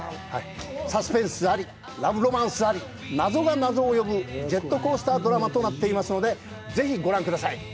サスペンスあり、ラブロマンスあり、謎が謎を呼ぶジェットコースタードラマとなっていますので、ぜひご覧ください。